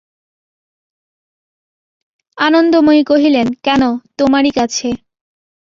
আনন্দময়ী কহিলেন, কেন, তোমারই কাছে।